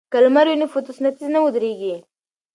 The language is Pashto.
که لمر وي نو فوتوسنتیز نه ودریږي.